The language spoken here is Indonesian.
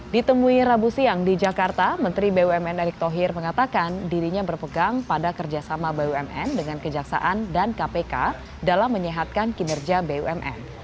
ditemui rabu siang di jakarta menteri bumn erick thohir mengatakan dirinya berpegang pada kerjasama bumn dengan kejaksaan dan kpk dalam menyehatkan kinerja bumn